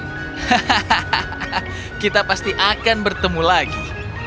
hahaha kita pasti akan bertemu lagi